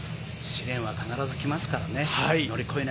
試練は必ず来ますからね。